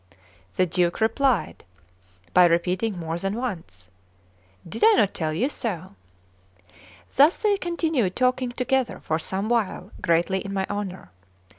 The Duke replied by repeating more than once: "Did I not tell you so?" Thus they continued talking together for some while greatly in my honour.